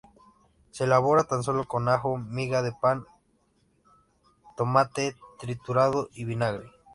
Se elabora tan sólo con ajo, miga de pan, tomate triturado y vinagre.